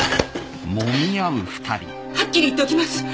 はっきり言っておきます